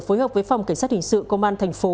phối hợp với phòng cảnh sát hình sự công an thành phố